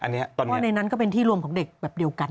เพราะในนั้นก็เป็นที่รวมของเด็กแบบเดียวกัน